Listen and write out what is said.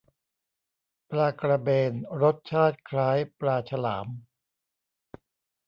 ปลากระเบน รสชาติคล้ายปลาฉลาม